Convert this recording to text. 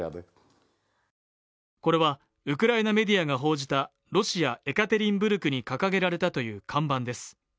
これはウクライナメディアが報じたロシア・エカテリンブルクに掲げられたという看板です